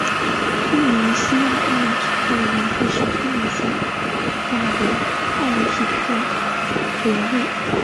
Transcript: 突尼西亚奥林匹克委员会是突尼西亚的国家奥林匹克委员会。